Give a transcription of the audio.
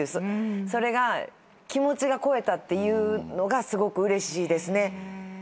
それが気持ちが超えたっていうのがすごくうれしいですね。